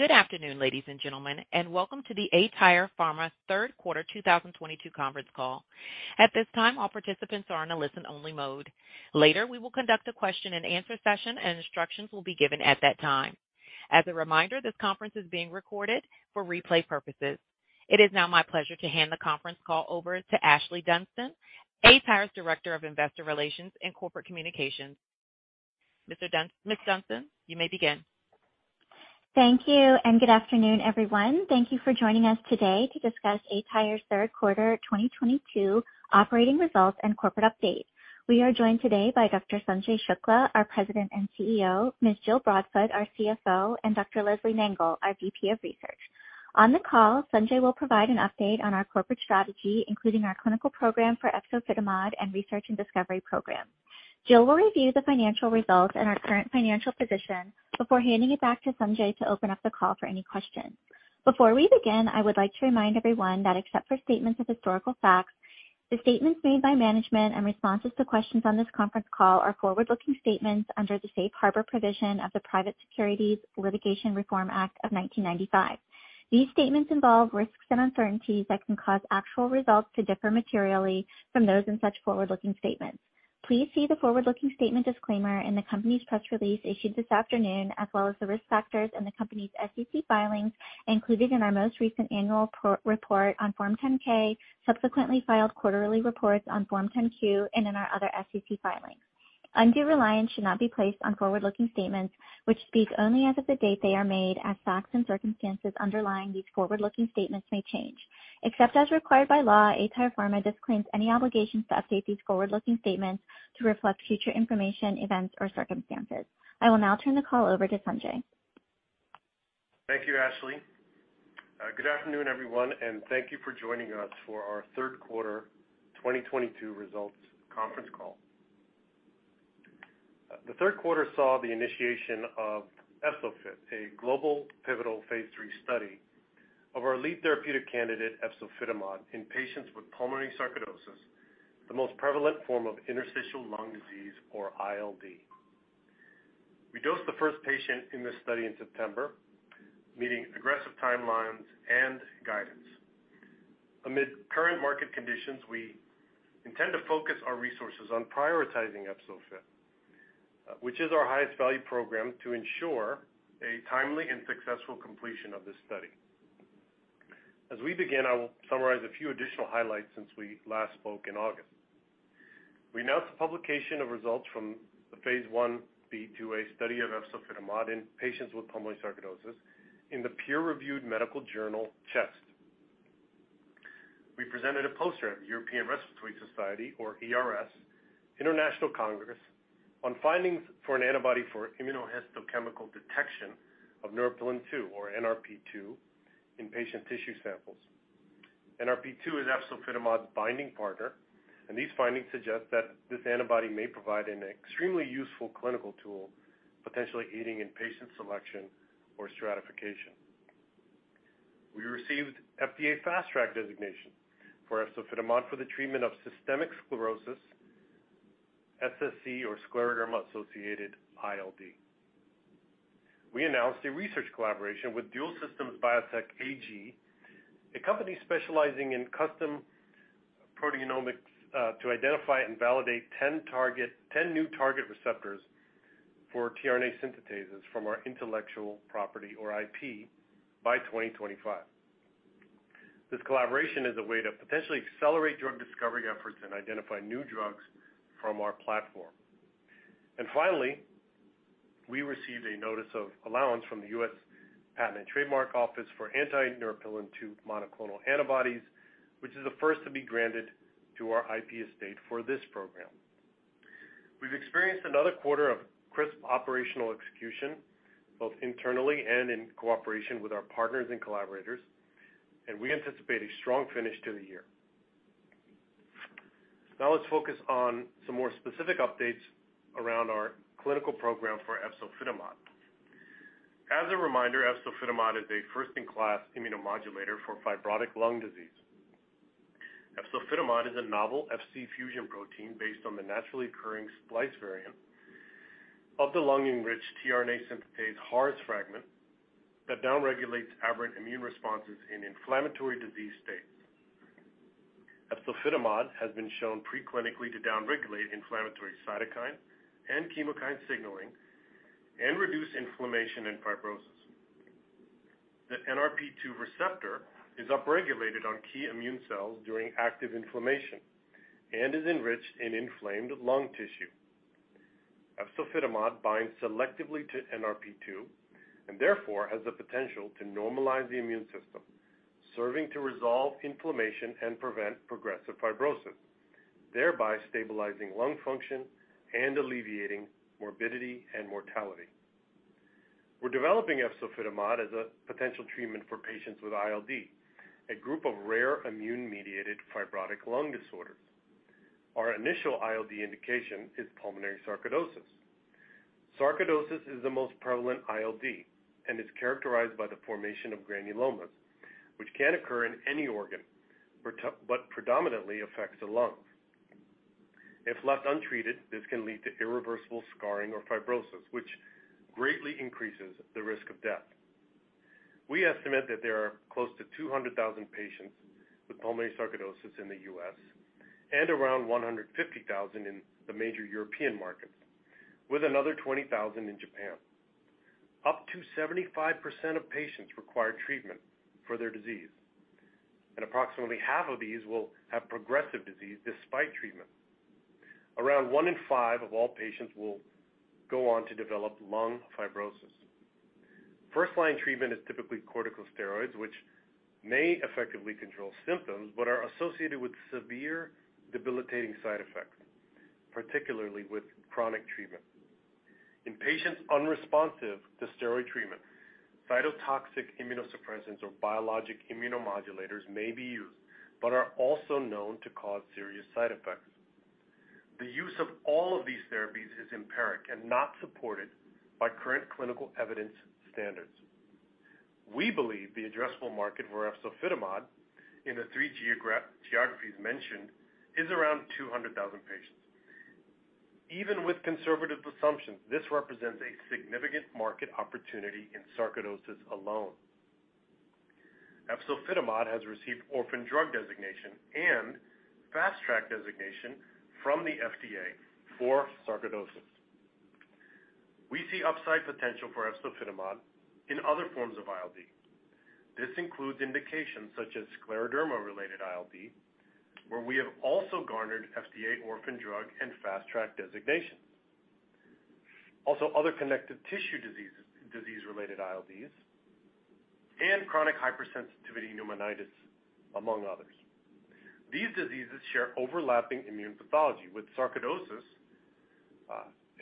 Good afternoon, ladies and gentlemen, and welcome to the aTyr Pharma third quarter 2022 conference call. At this time, all participants are in a listen-only mode. Later, we will conduct a question-and-answer session, and instructions will be given at that time. As a reminder, this conference is being recorded for replay purposes. It is now my pleasure to hand the conference call over to Ashlee Dunston, aTyr's Director of Investor Relations and Corporate Communications. Ms. Dunston, you may begin. Thank you, and good afternoon, everyone. Thank you for joining us today to discuss aTyr's third quarter 2022 operating results and corporate update. We are joined today by Dr. Sanjay Shukla, our President and CEO, Ms. Jill Broadfoot, our CFO, and Dr. Leslie Nangle, our VP of Research. On the call, Sanjay will provide an update on our corporate strategy, including our clinical program for efzofitimod and research and discovery program. Jill will review the financial results and our current financial position before handing it back to Sanjay to open up the call for any questions. Before we begin, I would like to remind everyone that except for statements of historical facts, the statements made by management and responses to questions on this conference call are forward-looking statements under the Safe Harbor provision of the Private Securities Litigation Reform Act of 1995. These statements involve risks and uncertainties that can cause actual results to differ materially from those in such forward-looking statements. Please see the forward-looking statement disclaimer in the company's press release issued this afternoon, as well as the risk factors in the company's SEC filings included in our most recent annual report on Form 10-K, subsequently filed quarterly reports on Form 10-Q, and in our other SEC filings. Undue reliance should not be placed on forward-looking statements, which speak only as of the date they are made, as facts and circumstances underlying these forward-looking statements may change. Except as required by law, aTyr Pharma disclaims any obligation to update these forward-looking statements to reflect future information, events, or circumstances. I will now turn the call over to Sanjay. Thank you, Ashlee. Good afternoon, everyone, and thank you for joining us for our third quarter 2022 results conference call. The third quarter saw the initiation of EFZO-FIT, a global pivotal Phase 3 study of our lead therapeutic candidate, efzofitimod, in patients with pulmonary sarcoidosis, the most prevalent form of interstitial lung disease, or ILD. We dosed the first patient in this study in September, meeting aggressive timelines and guidance. Amid current market conditions, we intend to focus our resources on prioritizing EFZO-FIT, which is our highest value program, to ensure a timely and successful completion of this study. As we begin, I will summarize a few additional highlights since we last spoke in August. We announced the publication of results from the Phase 1b/2a study of efzofitimod in patients with pulmonary sarcoidosis in the peer-reviewed medical journal, CHEST. We presented a poster at the European Respiratory Society, or ERS, International Congress on findings for an antibody for immunohistochemical detection of neuropilin-2, or NRP2, in patient tissue samples. NRP2 is efzofitimod's binding partner, and these findings suggest that this antibody may provide an extremely useful clinical tool, potentially aiding in patient selection or stratification. We received FDA fast track designation for efzofitimod for the treatment of systemic sclerosis, SSC, or scleroderma-associated ILD. We announced a research collaboration with Dualsystems Biotech AG, a company specializing in custom proteomics, to identify and validate 10 new target receptors for tRNA synthetases from our intellectual property, or IP, by 2025. This collaboration is a way to potentially accelerate drug discovery efforts and identify new drugs from our platform. Finally, we received a notice of allowance from the U.S. Patent and Trademark Office for anti-Neuropilin-2 monoclonal antibodies, which is the first to be granted to our IP estate for this program. We've experienced another quarter of crisp operational execution, both internally and in cooperation with our partners and collaborators, and we anticipate a strong finish to the year. Now let's focus on some more specific updates around our clinical program for efzofitimod. As a reminder, efzofitimod is a first-in-class immunomodulator for fibrotic lung disease. Efzofitimod is a novel Fc fusion protein based on the naturally occurring splice variant of the lung-enriched tRNA synthetase HARS fragment that down-regulates aberrant immune responses in inflammatory disease states. Efzofitimod has been shown pre-clinically to down-regulate inflammatory cytokine and chemokine signaling and reduce inflammation and fibrosis. The NRP2 receptor is upregulated on key immune cells during active inflammation and is enriched in inflamed lung tissue. Efzofitimod binds selectively to NRP2 and therefore has the potential to normalize the immune system, serving to resolve inflammation and prevent progressive fibrosis, thereby stabilizing lung function and alleviating morbidity and mortality. We're developing efzofitimod as a potential treatment for patients with ILD, a group of rare immune-mediated fibrotic lung disorders. Our initial ILD indication is pulmonary sarcoidosis. Sarcoidosis is the most prevalent ILD and is characterized by the formation of granulomas, which can occur in any organ but predominantly affects the lungs. If left untreated, this can lead to irreversible scarring or fibrosis, which greatly increases the risk of death. We estimate that there are close to 200,000 patients with pulmonary sarcoidosis in the U.S. and around 150,000 in the major European markets, with another 20,000 in Japan. Up to 75% of patients require treatment for their disease, and approximately half of these will have progressive disease despite treatment. Around one in five of all patients will go on to develop lung fibrosis. First-line treatment is typically corticosteroids, which may effectively control symptoms but are associated with severe debilitating side effects, particularly with chronic treatment. In patients unresponsive to steroid treatment, cytotoxic immunosuppressants or biologic immunomodulators may be used but are also known to cause serious side effects. The use of all of these therapies is empiric and not supported by current clinical evidence standards. We believe the addressable market for efzofitimod in the three geographies mentioned is around 200,000 patients. Even with conservative assumptions, this represents a significant market opportunity in sarcoidosis alone. Efzofitimod has received orphan drug designation and fast track designation from the FDA for sarcoidosis. We see upside potential for efzofitimod in other forms of ILD. This includes indications such as scleroderma-related ILD, where we have also garnered FDA orphan drug and fast track designations. Also other connective tissue diseases, disease-related ILDs, and chronic hypersensitivity pneumonitis, among others. These diseases share overlapping immune pathology, with sarcoidosis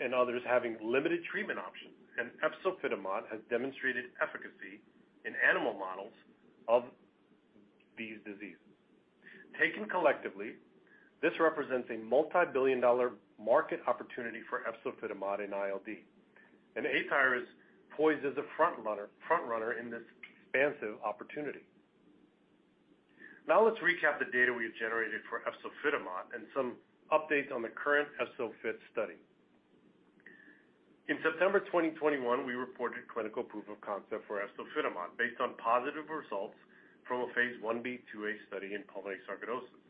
and others having limited treatment options, and efzofitimod has demonstrated efficacy in animal models of these diseases. Taken collectively, this represents a multibillion-dollar market opportunity for efzofitimod in ILD, and aTyr is poised as a front runner in this expansive opportunity. Now let's recap the data we have generated for efzofitimod and some updates on the current EFZO-FIT study. In September 2021, we reported clinical proof of concept for efzofitimod based on positive results from a Phase 1b/2a study in pulmonary sarcoidosis.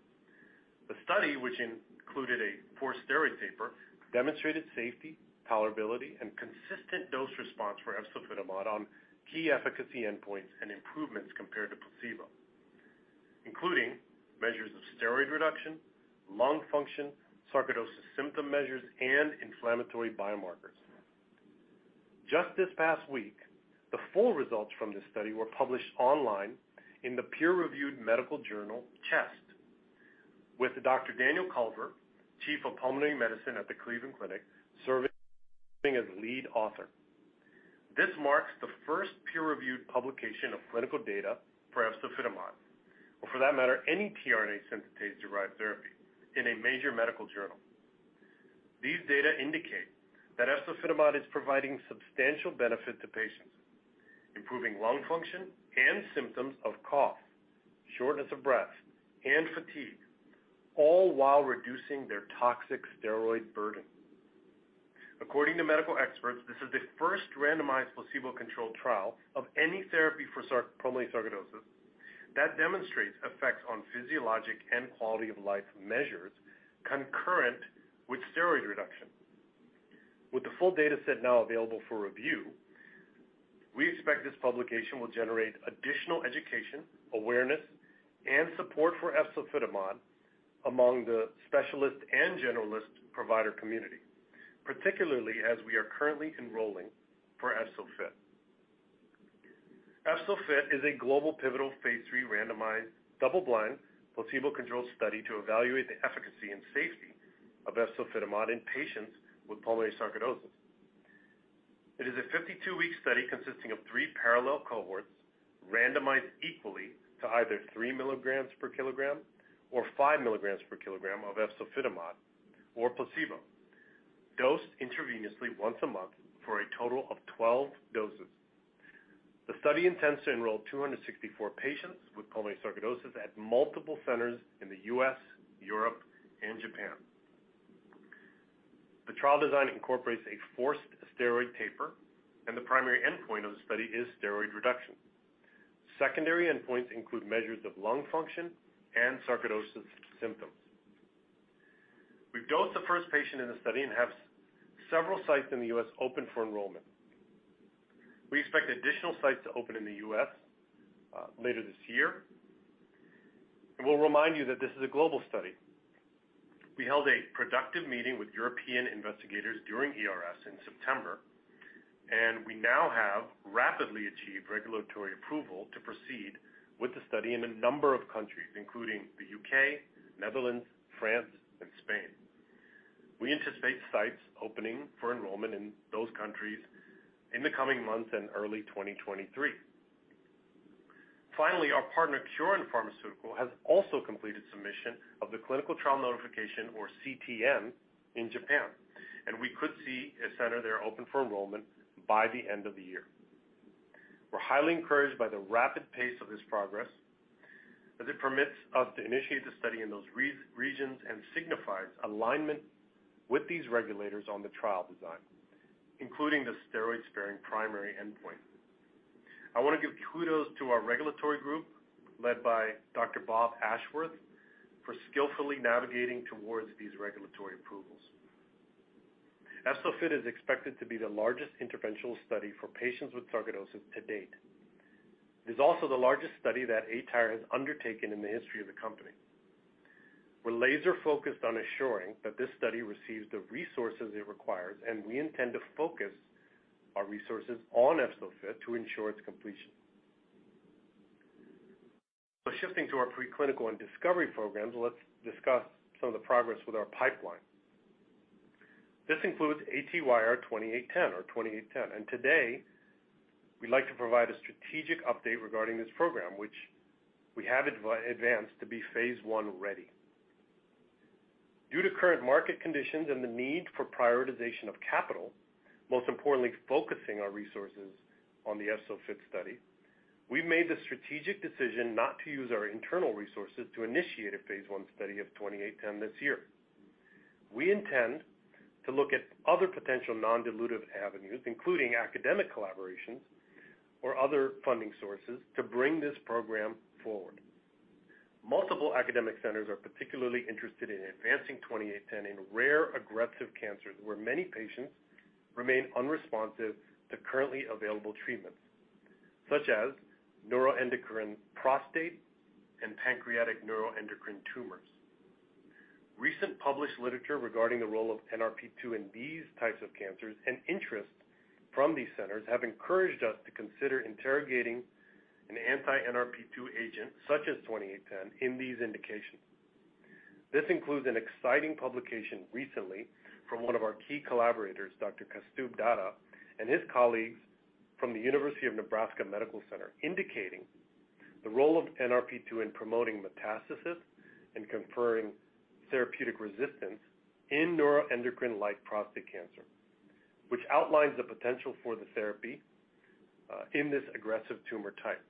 The study, which included a forced steroid taper, demonstrated safety, tolerability, and consistent dose response for efzofitimod on key efficacy endpoints and improvements compared to placebo, including measures of steroid reduction, lung function, sarcoidosis symptom measures, and inflammatory biomarkers. Just this past week, the full results from this study were published online in the peer-reviewed medical journal, CHEST, with Dr. Daniel Culver, Chair of Pulmonary Medicine at the Cleveland Clinic, serving as lead author. This marks the first peer-reviewed publication of clinical data for efzofitimod, or for that matter, any tRNA synthetase-derived therapy in a major medical journal. These data indicate that efzofitimod is providing substantial benefit to patients, improving lung function and symptoms of cough, shortness of breath, and fatigue, all while reducing their toxic steroid burden. According to medical experts, this is the first randomized placebo-controlled trial of any therapy for pulmonary sarcoidosis that demonstrates effects on physiologic and quality-of-life measures concurrent with steroid reduction. With the full data set now available for review, we expect this publication will generate additional education, awareness, and support for efzofitimod among the specialist and generalist provider community, particularly as we are currently enrolling for EFZO-FIT. EFZO-FIT is a global pivotal Phase 3 randomized double-blind placebo-controlled study to evaluate the efficacy and safety of efzofitimod in patients with pulmonary sarcoidosis. It is a 52-week study consisting of three parallel cohorts randomized equally to either 3 milligrams per kilogram or 5 milligrams per kilogram of efzofitimod or placebo, dosed intravenously once a month for a total of 12 doses. The study intends to enroll 264 patients with pulmonary sarcoidosis at multiple centers in the U.S., Europe, and Japan. The trial design incorporates a forced steroid taper, and the primary endpoint of the study is steroid reduction. Secondary endpoints include measures of lung function and sarcoidosis symptoms. We've dosed the first patient in the study and have several sites in the U.S. open for enrollment. We expect additional sites to open in the U.S. later this year. We'll remind you that this is a global study. We held a productive meeting with European investigators during ERS in September, and we now have rapidly achieved regulatory approval to proceed with the study in a number of countries, including the U.K., Netherlands, France, and Spain. We anticipate sites opening for enrollment in those countries in the coming months and early 2023. Finally, our partner, Kyorin Pharmaceutical, has also completed submission of the clinical trial notification or CTN in Japan, and we could see a center there open for enrollment by the end of the year. We're highly encouraged by the rapid pace of this progress, as it permits us to initiate the study in those regions and signifies alignment with these regulators on the trial design, including the steroid-sparing primary endpoint. I wanna give kudos to our regulatory group, led by Dr. Bob Ashworth, for skillfully navigating towards these regulatory approvals. EFZO-FIT is expected to be the largest interventional study for patients with sarcoidosis to date. It is also the largest study that aTyr has undertaken in the history of the company. We're laser-focused on assuring that this study receives the resources it requires, and we intend to focus our resources on EFZO-FIT to ensure its completion. Shifting to our preclinical and discovery programs, let's discuss some of the progress with our pipeline. This includes ATYR2810 or 2810, and today we'd like to provide a strategic update regarding this program, which we have advanced to be Phase 1-ready. Due to current market conditions and the need for prioritization of capital, most importantly, focusing our resources on the EFZO-FIT study, we've made the strategic decision not to use our internal resources to initiate a Phase 1 study of 2810 this year. We intend to look at other potential non-dilutive avenues, including academic collaborations or other funding sources, to bring this program forward. Multiple academic centers are particularly interested in advancing twenty-eight ten in rare aggressive cancers, where many patients remain unresponsive to currently available treatments, such as neuroendocrine prostate and pancreatic neuroendocrine tumors. Recent published literature regarding the role of NRP-2 in these types of cancers and interest from these centers have encouraged us to consider interrogating an anti-NRP-2 agent, such as twenty-eight ten, in these indications. This includes an exciting publication recently from one of our key collaborators, Dr. Kaustubh Datta, and his colleagues from the University of Nebraska Medical Center, indicating the role of NRP-2 in promoting metastasis and conferring therapeutic resistance in neuroendocrine-like prostate cancer, which outlines the potential for the therapy in this aggressive tumor type.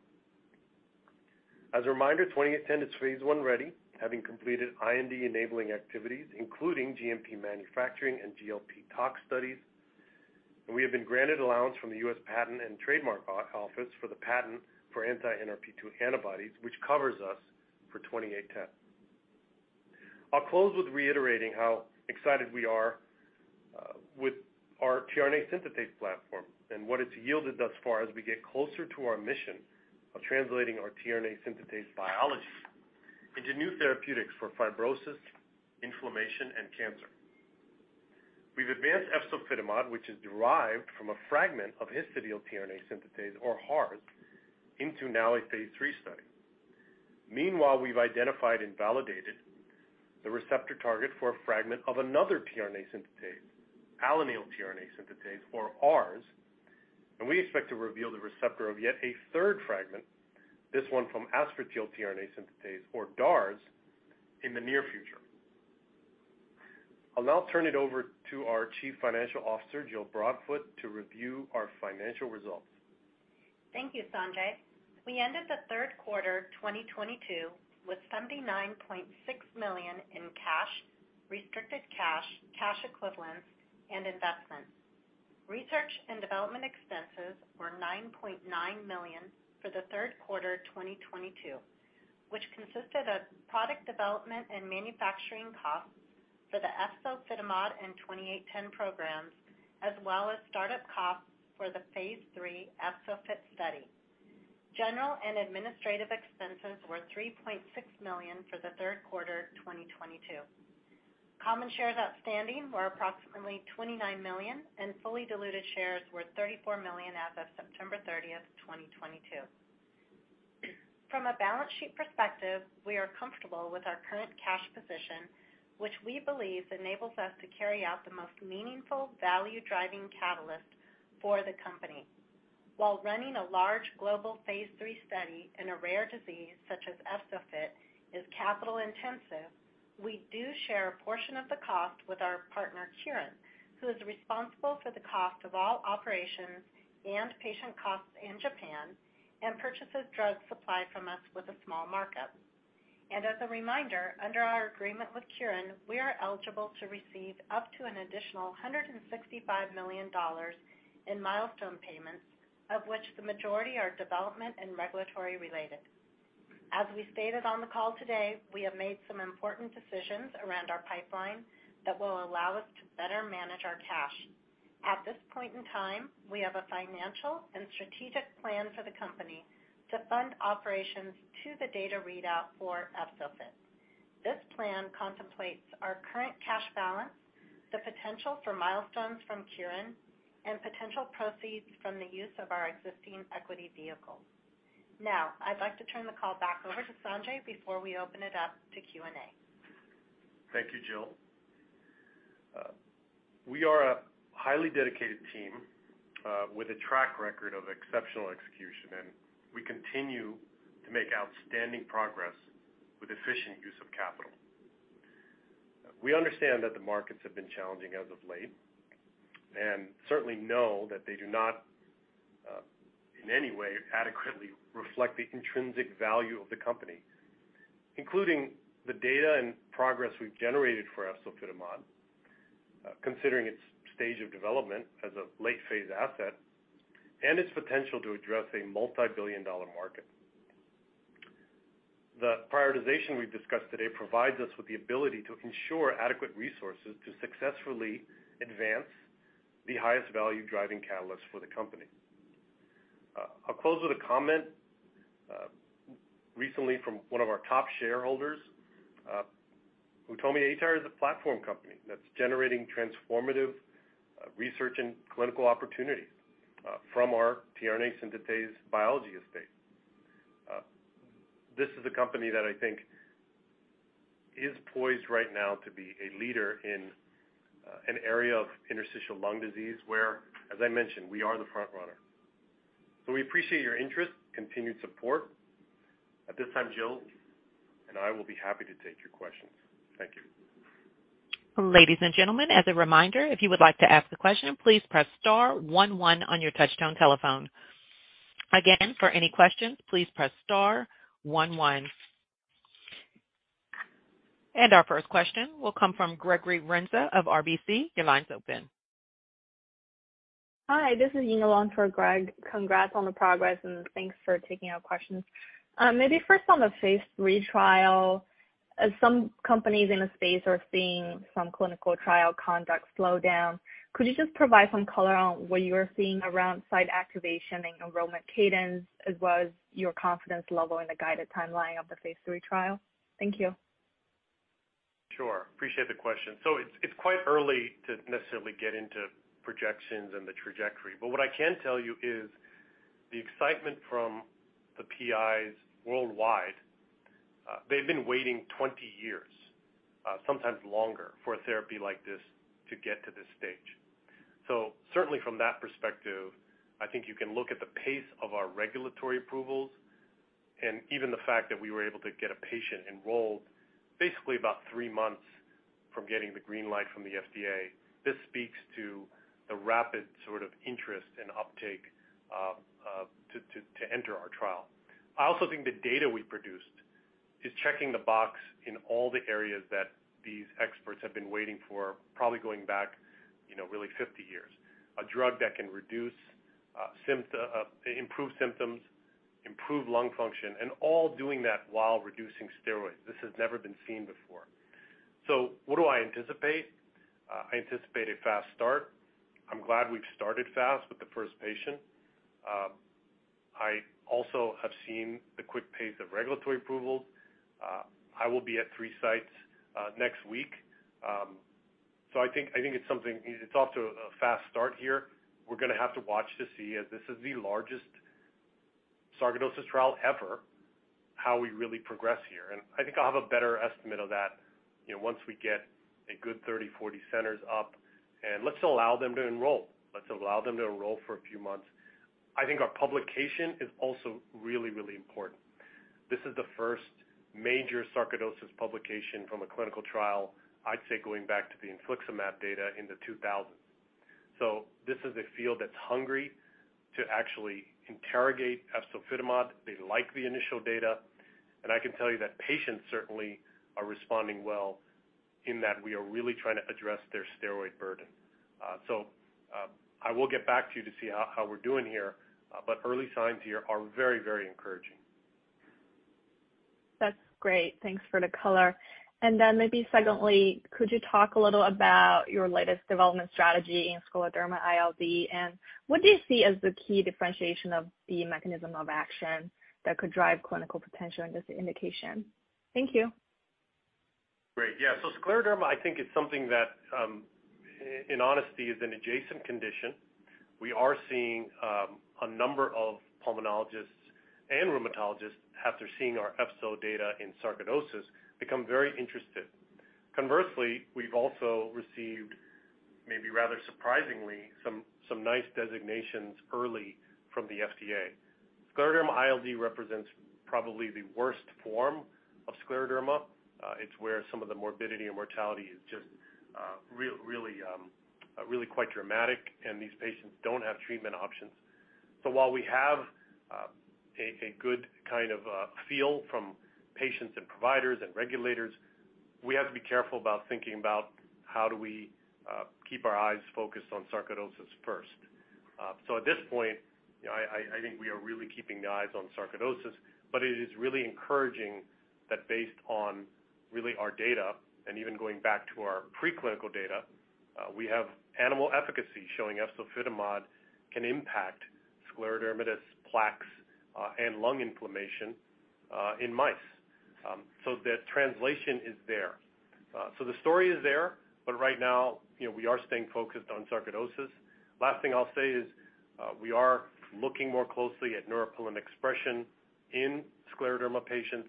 As a reminder, 2810 is Phase 1-ready, having completed IND-enabling activities, including GMP manufacturing and GLP tox studies. We have been granted allowance from the U.S. Patent and Trademark Office for the patent for anti-NRP2 antibodies, which covers us for 2810. I'll close with reiterating how excited we are with our tRNA synthetase platform and what it's yielded thus far as we get closer to our mission of translating our tRNA synthetase biology into new therapeutics for fibrosis, inflammation, and cancer. We've advanced efzofitimod, which is derived from a fragment of histidyl-tRNA synthetase or HARS, into now a Phase 3 study. Meanwhile, we've identified and validated the receptor target for a fragment of another tRNA synthetase, alanyl-tRNA synthetase or ARS. We expect to reveal the receptor of yet a third fragment, this one from aspartyl-tRNA synthetase or DARS, in the near future. I'll now turn it over to our Chief Financial Officer, Jill Broadfoot, to review our financial results. Thank you, Sanjay. We ended the third quarter 2022 with $79.6 million in cash, restricted cash equivalents, and investments. Research and development expenses were $9.9 million for the third quarter 2022, which consisted of product development and manufacturing costs for the efzofitimod and ATYR2810 programs, as well as startup costs for the Phase 3 EFZO-FIT study. General and administrative expenses were $3.6 million for the third quarter 2022. Common shares outstanding were approximately 29 million, and fully diluted shares were 34 million as of September 30, 2022. From a balance sheet perspective, we are comfortable with our current cash position, which we believe enables us to carry out the most meaningful value-driving catalyst for the company. While running a large global Phase 3 study in a rare disease such as EFZO-FIT is capital-intensive, we do share a portion of the cost with our partner, Kyorin, who is responsible for the cost of all operations and patient costs in Japan and purchases drugs supplied from us with a small markup. As a reminder, under our agreement with Kyorin, we are eligible to receive up to an additional $165 million in milestone payments, of which the majority are development and regulatory related. As we stated on the call today, we have made some important decisions around our pipeline that will allow us to better manage our cash. At this point in time, we have a financial and strategic plan for the company to fund operations to the data readout for EFZO-FIT. This plan contemplates our current cash balance, the potential for milestones from Kyorin, and potential proceeds from the use of our existing equity vehicles. Now, I'd like to turn the call back over to Sanjay before we open it up to Q&A. Thank you, Jill. We are a highly dedicated team with a track record of exceptional execution, and we continue to make outstanding progress with efficient use of capital. We understand that the markets have been challenging as of late, and certainly know that they do not in any way adequately reflect the intrinsic value of the company, including the data and progress we've generated for efzofitimod, considering its stage of development as a late-phase asset and its potential to address a multibillion-dollar market. The prioritization we've discussed today provides us with the ability to ensure adequate resources to successfully advance the highest value-driving catalyst for the company. I'll close with a comment recently from one of our top shareholders who told me aTyr is a platform company that's generating transformative research and clinical opportunities from our tRNA synthetase biology estate. This is a company that I think is poised right now to be a leader in an area of interstitial lung disease where, as I mentioned, we are the front runner. We appreciate your interest, continued support. At this time, Jill and I will be happy to take your questions. Thank you. Ladies and gentlemen, as a reminder, if you would like to ask a question, please press star one one on your touchtone telephone. Again, for any questions, please press star one one. Our first question will come from Gregory Renza of RBC. Your line's open. Hi, this is Ying on for Greg. Congrats on the progress, and thanks for taking our questions. Maybe first on the Phase 3 trial, as some companies in the space are seeing some clinical trial conduct slow down, could you just provide some color on what you are seeing around site activation and enrollment cadence as well as your confidence level in the guided timeline of the Phase 3 trial? Thank you. Sure. Appreciate the question. It's quite early to necessarily get into projections and the trajectory, but what I can tell you is the excitement from the PIs worldwide. They've been waiting 20 years, sometimes longer for a therapy like this to get to this stage. Certainly from that perspective, I think you can look at the pace of our regulatory approvals and even the fact that we were able to get a patient enrolled basically about three months from getting the green light from the FDA. This speaks to the rapid sort of interest and uptake to enter our trial. I also think the data we produced is checking the box in all the areas that these experts have been waiting for, probably going back, you know, really 50 years. A drug that can reduce, improve symptoms, improve lung function, and all doing that while reducing steroids. This has never been seen before. What do I anticipate? I anticipate a fast start. I'm glad we've started fast with the first patient. I also have seen the quick pace of regulatory approvals. I will be at three sites next week. I think it's off to a fast start here. We're gonna have to watch to see as this is the largest sarcoidosis trial ever, how we really progress here. I think I'll have a better estimate of that, you know, once we get a good 30, 40 centers up, and let's allow them to enroll for a few months. I think our publication is also really, really important. This is the first major sarcoidosis publication from a clinical trial, I'd say, going back to the infliximab data in the 2000s. This is a field that's hungry to actually interrogate efzofitimod. They like the initial data, and I can tell you that patients certainly are responding well in that we are really trying to address their steroid burden. I will get back to you to see how we're doing here. Early signs here are very, very encouraging. That's great. Thanks for the color. Then maybe secondly, could you talk a little about your latest development strategy in scleroderma ILD? What do you see as the key differentiation of the mechanism of action that could drive clinical potential in this indication? Thank you. Great. Yeah. Scleroderma, I think it's something that, in honesty is an adjacent condition. We are seeing a number of pulmonologists and rheumatologists, after seeing our EFZO-FIT data in sarcoidosis, become very interested. Conversely, we've also received, maybe rather surprisingly, some nice designations early from the FDA. Scleroderma ILD represents probably the worst form of scleroderma. It's where some of the morbidity and mortality is just, really quite dramatic, and these patients don't have treatment options. While we have a good kind of feel from patients and providers and regulators, we have to be careful about thinking about how do we keep our eyes focused on sarcoidosis first. At this point, you know, I think we are really keeping the eyes on sarcoidosis, but it is really encouraging that based on really our data and even going back to our preclinical data, we have animal efficacy showing efzofitimod can impact scleroderma plaques, and lung inflammation, in mice. The translation is there. The story is there, but right now, you know, we are staying focused on sarcoidosis. Last thing I'll say is, we are looking more closely at neuropilin expression in scleroderma patients.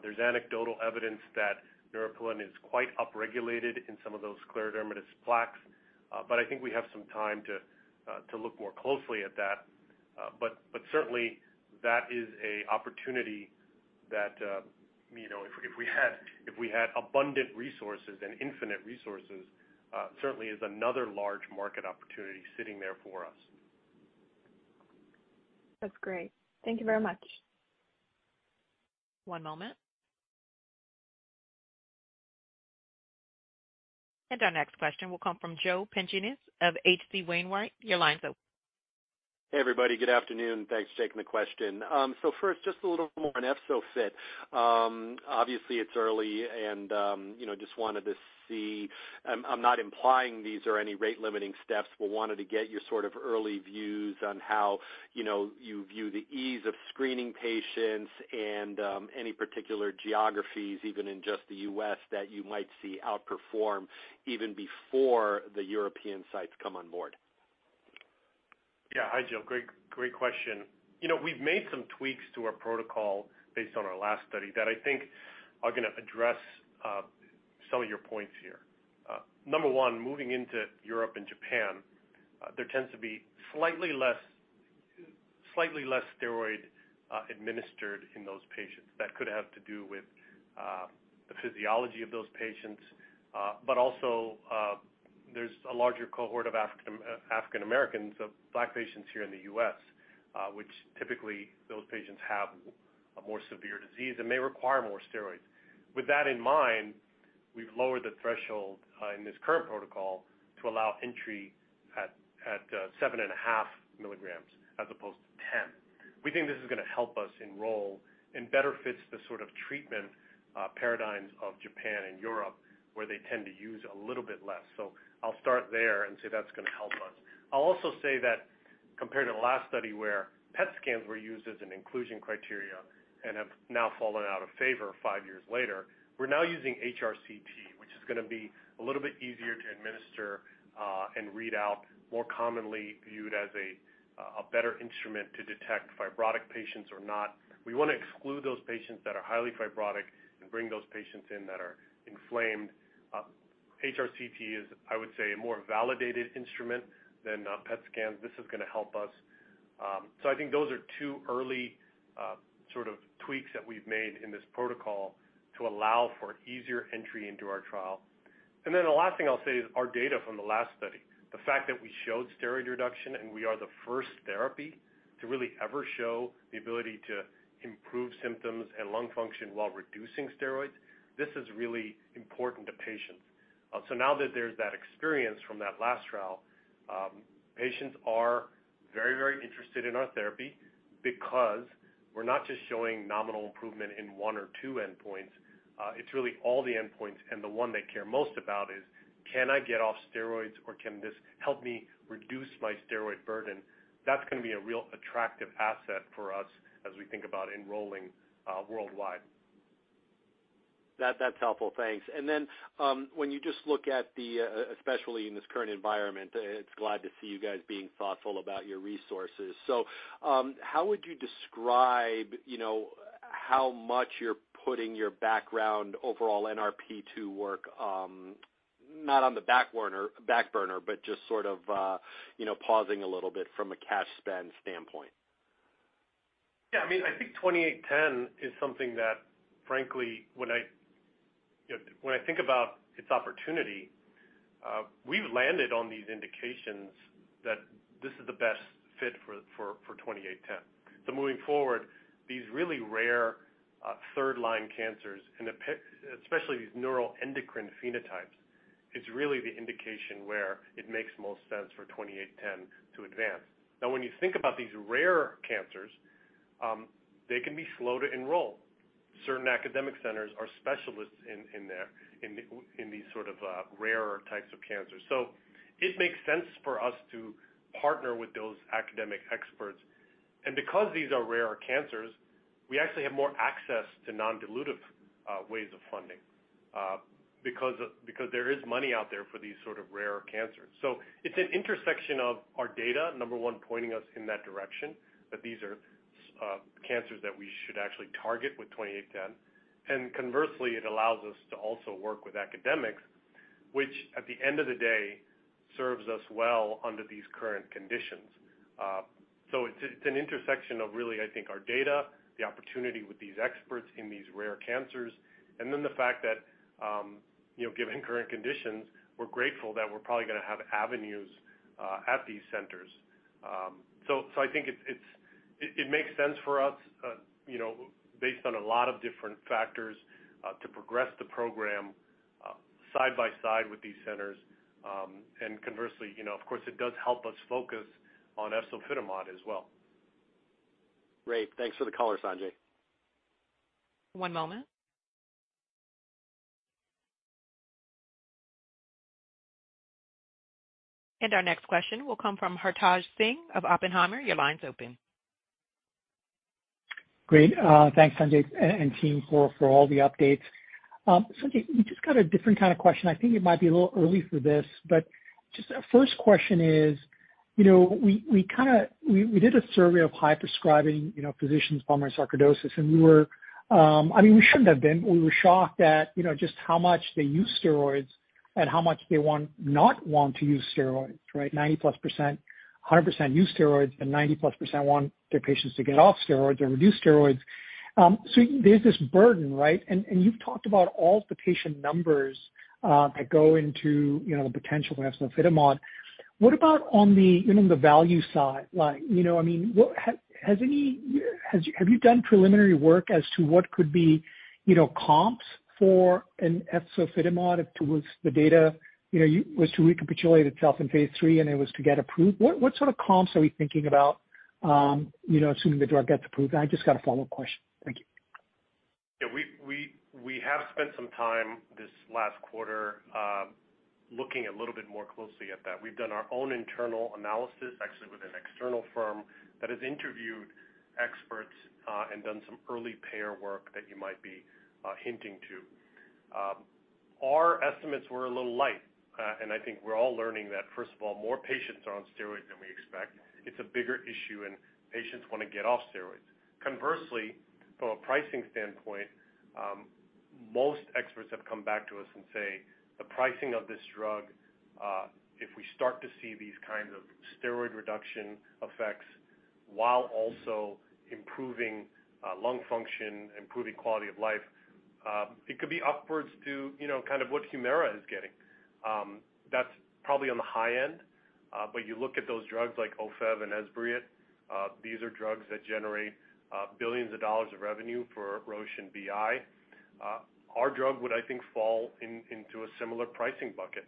There's anecdotal evidence that neuropilin-2 is quite upregulated in some of those scleroderma plaques, but I think we have some time to look more closely at that. Certainly that is an opportunity that, you know, if we had abundant resources and infinite resources, certainly is another large market opportunity sitting there for us. That's great. Thank you very much. One moment. Our next question will come from Joseph Pantginis of H.C. Wainwright & Co. Your line's open. Hey, everybody. Good afternoon. Thanks for taking the question. First, just a little more on EFZO-FIT. Obviously, it's early and, you know, just wanted to see, I'm not implying these are any rate-limiting steps, but wanted to get your sort of early views on how, you know, you view the ease of screening patients and, any particular geographies, even in just the U.S., that you might see outperform even before the European sites come on board. Yeah. Hi, Joe. Great question. You know, we've made some tweaks to our protocol based on our last study that I think are gonna address some of your points here. Number one, moving into Europe and Japan, there tends to be slightly less steroid administered in those patients. That could have to do with the physiology of those patients, but also, there's a larger cohort of African Americans, of Black patients here in the U.S., which typically those patients have a more severe disease and may require more steroids. With that in mind, we've lowered the threshold in this current protocol to allow entry at 7.5 milligrams as opposed to 10. We think this is gonna help us enroll and better fits the sort of treatment paradigms of Japan and Europe, where they tend to use a little bit less. I'll start there and say that's gonna help us. I'll also say that compared to the last study where PET scans were used as an inclusion criteria and have now fallen out of favor five years later, we're now using HRCT, which is gonna be a little bit easier to administer and read out, more commonly viewed as a better instrument to detect fibrotic patients or not. We wanna exclude those patients that are highly fibrotic and bring those patients in that are inflamed. HRCT is, I would say, a more validated instrument than PET scans. This is gonna help us. I think those are two early sort of tweaks that we've made in this protocol to allow for easier entry into our trial. The last thing I'll say is our data from the last study, the fact that we showed steroid reduction and we are the first therapy to really ever show the ability to improve symptoms and lung function while reducing steroids, this is really important to patients. Now that there's that experience from that last trial, patients are very, very interested in our therapy because we're not just showing nominal improvement in one or two endpoints, it's really all the endpoints, and the one they care most about is, "Can I get off steroids, or can this help me reduce my steroid burden?" That's gonna be a real attractive asset for us as we think about enrolling worldwide. That's helpful. Thanks. When you just look at the, especially in this current environment, it's glad to see you guys being thoughtful about your resources. How would you describe, you know, how much you're putting your background overall NRP2 to work, not on the back burner, but just sort of, you know, pausing a little bit from a cash spend standpoint? I mean, I think ATYR2810 is something that frankly, you know, when I think about its opportunity, we've landed on these indications that this is the best fit for ATYR2810. Moving forward, these really rare third-line cancers and especially these neuroendocrine phenotypes is really the indication where it makes most sense for ATYR2810 to advance. Now, when you think about these rare cancers, they can be slow to enroll. Certain academic centers are specialists in these sort of rarer types of cancers. It makes sense for us to partner with those academic experts. Because these are rarer cancers, we actually have more access to non-dilutive ways of funding because there is money out there for these sort of rarer cancers. It's an intersection of our data, number one, pointing us in that direction, that these are cancers that we should actually target with 2810. Conversely, it allows us to also work with academics, which at the end of the day, serves us well under these current conditions. It's an intersection of really, I think, our data, the opportunity with these experts in these rare cancers, and then the fact that, you know, given current conditions, we're grateful that we're probably gonna have avenues at these centers. I think it makes sense for us, you know, based on a lot of different factors, to progress the program side by side with these centers. Conversely, you know, of course, it does help us focus on efzofitimod as well. Great. Thanks for the color, Sanjay. One moment. Our next question will come from Hartaj Singh of Oppenheimer. Your line's open. Great. Thanks, Sanjay, and team for all the updates. Sanjay, we just got a different kind of question. I think it might be a little early for this, but just a first question is, you know, we did a survey of high prescribing physicians, pulmonary sarcoidosis, and I mean, we shouldn't have been, but we were shocked at, you know, just how much they use steroids. How much they want not to use steroids, right? 90+%, 100% use steroids, and 90+% want their patients to get off steroids or reduce steroids. There's this burden, right? You've talked about all of the patient numbers that go into, you know, the potential for efzofitimod. What about on the, you know, the value side? Like, you know, I mean, what? Have you done preliminary work as to what could be, you know, comps for efzofitimod if towards the data, you know, was to recapitulate itself in Phase 3 and it was to get approved? What sort of comps are we thinking about, you know, assuming the drug gets approved? I just got a follow-up question. Thank you. Yeah. We have spent some time this last quarter, looking a little bit more closely at that. We've done our own internal analysis, actually with an external firm that has interviewed experts, and done some early payer work that you might be hinting at. Our estimates were a little light, and I think we're all learning that, first of all, more patients are on steroids than we expect. It's a bigger issue, and patients wanna get off steroids. Conversely, from a pricing standpoint, most experts have come back to us and say the pricing of this drug, if we start to see these kinds of steroid reduction effects while also improving lung function, improving quality of life, it could be upwards to, you know, kind of what HUMIRA is getting. That's probably on the high end, but you look at those drugs like Ofev and Esbriet, these are drugs that generate billions of dollars of revenue for Roche and BI. Our drug would, I think, fall into a similar pricing bucket.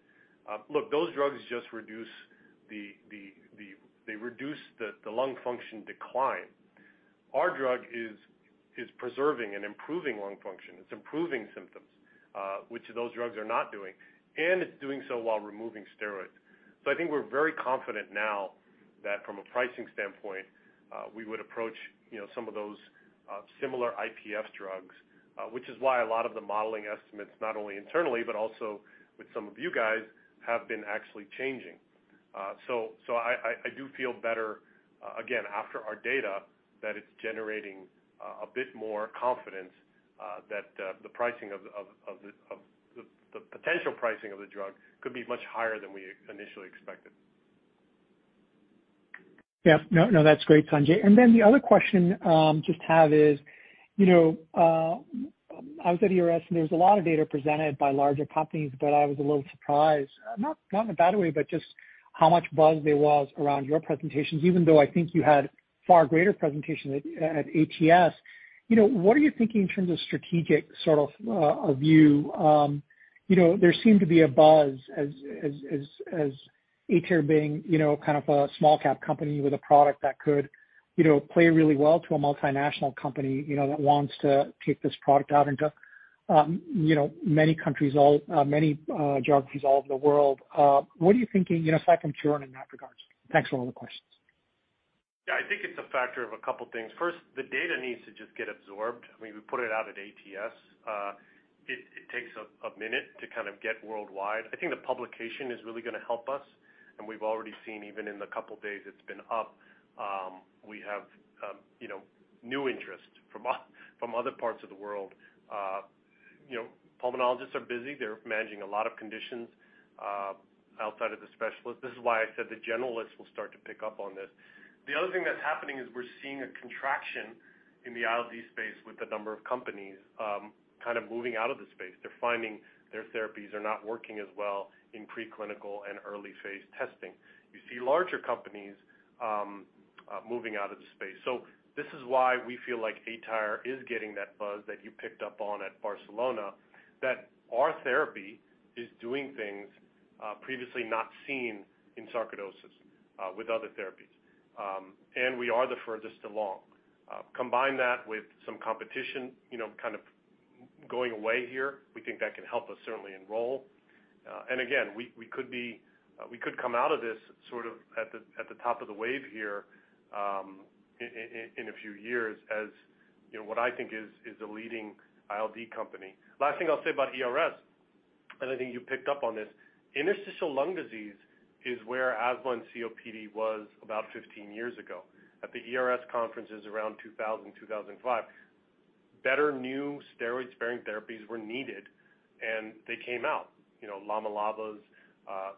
Look, those drugs just reduce the lung function decline. Our drug is preserving and improving lung function. It's improving symptoms, which those drugs are not doing, and it's doing so while removing steroids. I think we're very confident now that from a pricing standpoint, we would approach, you know, some of those similar IPF drugs, which is why a lot of the modeling estimates, not only internally but also with some of you guys, have been actually changing. I do feel better again after our data that it's generating a bit more confidence that the pricing of the potential pricing of the drug could be much higher than we initially expected. Yeah. No, that's great, Sanjay. The other question I have is, you know, I was at ERS, and there was a lot of data presented by larger companies, but I was a little surprised, not in a bad way, but just how much buzz there was around your presentations, even though I think you had far greater presentation at ATS. You know, what are you thinking in terms of strategic sort of a view? You know, there seemed to be a buzz as aTyr being, you know, kind of a small cap company with a product that could, you know, play really well to a multinational company, you know, that wants to take this product out into, you know, many countries all, many geographies all over the world. What are you thinking, you know, second quarter in that regards? Thanks for all the questions. Yeah. I think it's a factor of a couple things. First, the data needs to just get absorbed. I mean, we put it out at ATS. It takes a minute to kind of get worldwide. I think the publication is really gonna help us, and we've already seen even in the couple days it's been up, we have, you know, new interest from other parts of the world. You know, pulmonologists are busy. They're managing a lot of conditions outside of the specialist. This is why I said the generalists will start to pick up on this. The other thing that's happening is we're seeing a contraction in the ILD space with the number of companies kind of moving out of the space. They're finding their therapies are not working as well in preclinical and early-phase testing. You see larger companies moving out of the space. This is why we feel like aTyr is getting that buzz that you picked up on at Barcelona, that our therapy is doing things previously not seen in sarcoidosis with other therapies. We are the furthest along. Combine that with some competition, you know, kind of going away here. We think that can help us certainly enroll. Again, we could come out of this sort of at the top of the wave here in a few years as, you know, what I think is a leading ILD company. Last thing I'll say about ERS, and I think you picked up on this, interstitial lung disease is where asthma and COPD was about 15 years ago. At the ERS conferences around 2000, 2005, better new steroid-sparing therapies were needed, and they came out, you know, LAMA/LABA,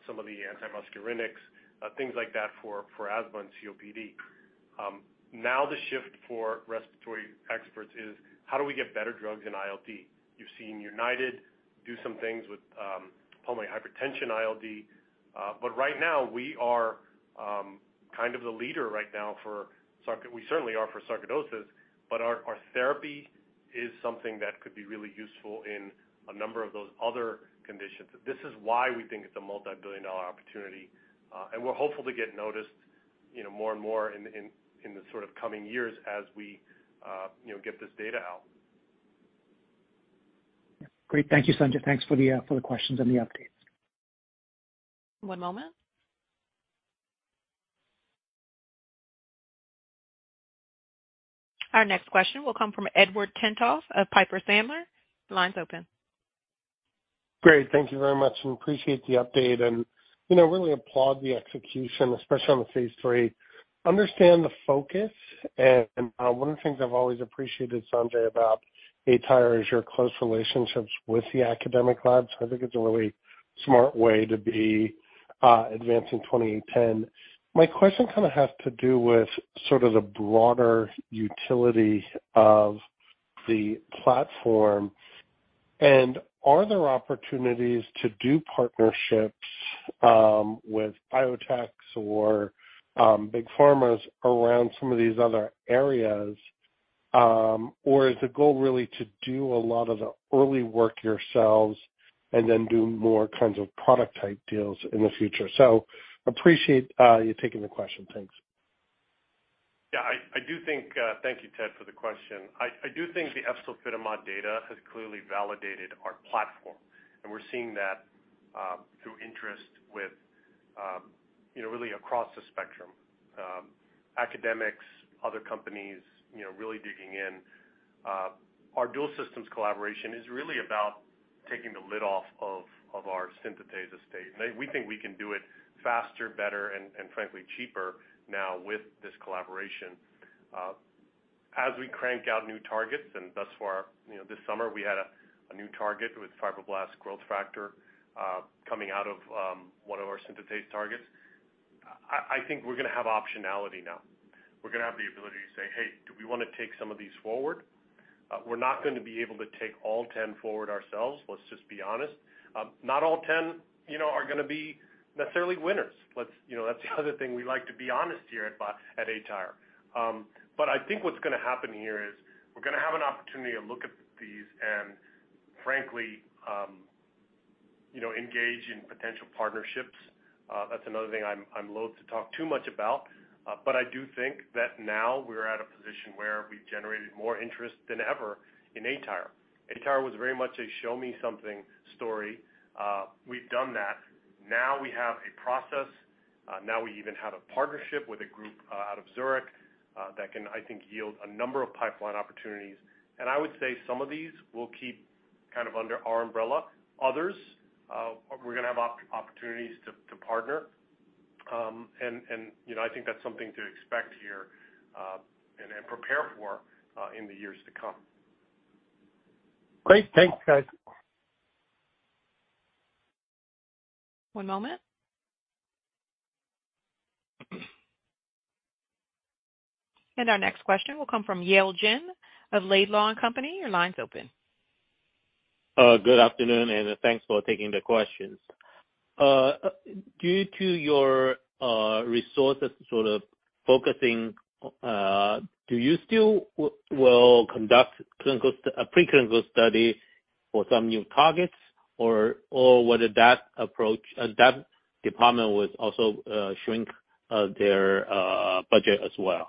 some of the antimuscarinics, things like that for asthma and COPD. Now the shift for respiratory experts is how do we get better drugs in ILD? You've seen United do some things with pulmonary hypertension ILD. But right now we are kind of the leader right now for sarcoidosis. We certainly are for sarcoidosis, but our therapy is something that could be really useful in a number of those other conditions. This is why we think it's a multibillion-dollar opportunity, and we're hopeful to get noticed, you know, more and more in the sort of coming years as we get this data out. Great. Thank you, Sanjay. Thanks for the questions and the updates. One moment. Our next question will come from Edward Tenthoff of Piper Sandler. The line's open. Great. Thank you very much. We appreciate the update, and, you know, really applaud the execution, especially on the Phase 3. Understand the focus and one of the things I've always appreciated, Sanjay, about aTyr is your close relationships with the academic labs. I think it's a really smart way to be advancing 2810. My question kinda has to do with sort of the broader utility of the platform. Are there opportunities to do partnerships with biotechs or big pharmas around some of these other areas? Or is the goal really to do a lot of the early work yourselves and then do more kinds of product type deals in the future? Appreciate you taking the question. Thanks. Yeah, I do think, thank you, Ted, for the question. I do think the efzofitimod data has clearly validated our platform, and we're seeing that through interest with, you know, really across the spectrum. Academics, other companies, you know, really digging in. Our Dualsystems collaboration is really about taking the lid off of our synthetase estate. We think we can do it faster, better, and frankly, cheaper now with this collaboration. As we crank out new targets and thus far, you know, this summer we had a new target with fibroblast growth factor coming out of one of our synthetase targets. I think we're gonna have optionality now. We're gonna have the ability to say, "Hey, do we wanna take some of these forward?" We're not gonna be able to take all 10 forward ourselves, let's just be honest. Not all 10, you know, are gonna be necessarily winners. Let's, you know, that's the other thing we like to be honest here at aTyr. I think what's gonna happen here is we're gonna have an opportunity to look at these and frankly, you know, engage in potential partnerships. That's another thing I'm loathe to talk too much about, but I do think that now we're at a position where we've generated more interest than ever in aTyr. aTyr was very much a show me something story. We've done that. Now we have a process. Now we even have a partnership with a group out of Zurich that can, I think, yield a number of pipeline opportunities. I would say some of these we'll keep kind of under our umbrella. Others, we're gonna have opportunities to partner. You know, I think that's something to expect here and prepare for in the years to come. Great. Thanks, guys. One moment. Our next question will come from Yale Jen of Laidlaw & Company. Your line's open. Good afternoon, and thanks for taking the questions. Due to your resources sort of focusing, do you still will conduct pre-clinical study for some new targets? Or whether that approach, that department will also shrink their budget as well?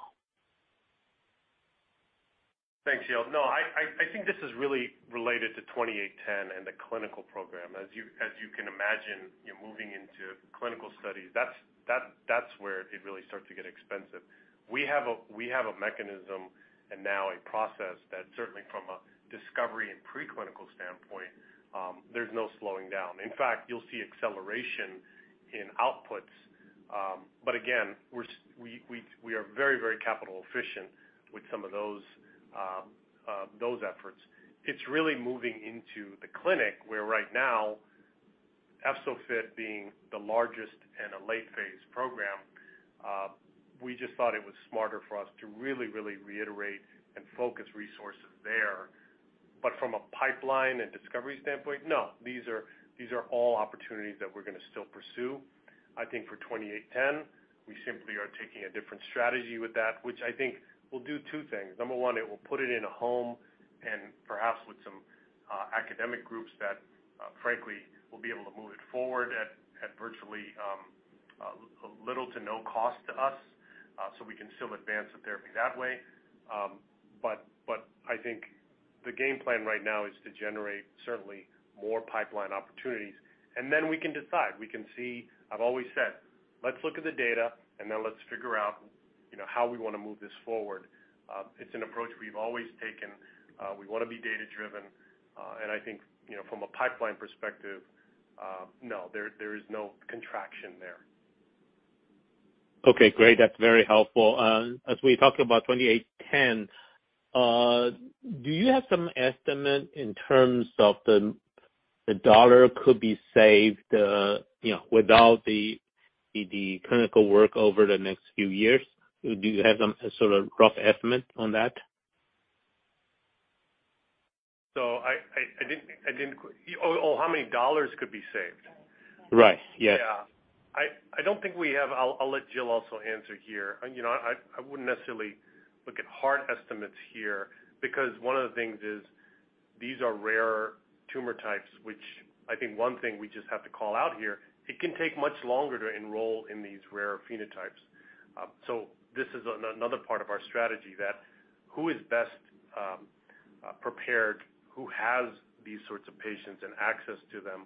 Thanks, Yale. No, I think this is really related to ATYR2810 and the clinical program. As you can imagine, you're moving into clinical studies, that's where it really starts to get expensive. We have a mechanism and now a process that certainly from a discovery and pre-clinical standpoint, there's no slowing down. In fact, you'll see acceleration in outputs. But again, we are very capital efficient with some of those efforts. It's really moving into the clinic where right now EFZO-FIT being the largest and a late phase program, we just thought it was smarter for us to really reallocate and focus resources there. From a pipeline and discovery standpoint, no, these are all opportunities that we're gonna still pursue. I think for 2810, we simply are taking a different strategy with that, which I think will do two things. Number one, it will put it in a home and perhaps with some academic groups that frankly will be able to move it forward at virtually little to no cost to us, so we can still advance the therapy that way. But I think the game plan right now is to generate certainly more pipeline opportunities. Then we can decide. We can see. I've always said, "Let's look at the data and then let's figure out, you know, how we wanna move this forward." It's an approach we've always taken. We wanna be data-driven. I think, you know, from a pipeline perspective, no, there is no contraction there. Okay, great. That's very helpful. As we talk about ATYR2810, do you have some estimate in terms of the dollars could be saved, you know, without the clinical work over the next few years? Do you have some sort of rough estimate on that? How many dollars could be saved? Right. Yes. Yeah. I don't think we have. I'll let Jill also answer here. You know, I wouldn't necessarily look at hard estimates here because one of the things is these are rare tumor types, which I think one thing we just have to call out here. It can take much longer to enroll in these rare phenotypes. So this is another part of our strategy that who is best prepared, who has these sorts of patients and access to them.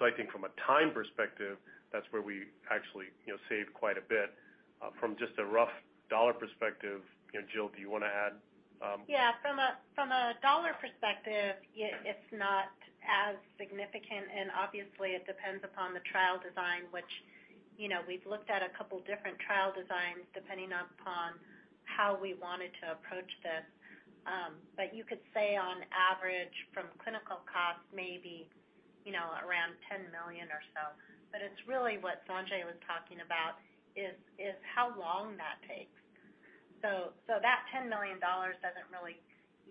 So I think from a time perspective, that's where we actually, you know, save quite a bit. From just a rough dollar perspective, you know, Jill, do you wanna add? Yeah, from a dollar perspective, it's not as significant, and obviously it depends upon the trial design, which you know we've looked at a couple different trial designs depending upon how we wanted to approach this. You could say on average from clinical costs, maybe you know around $10 million or so. It's really what Sanjay was talking about is how long that takes. That $10 million doesn't really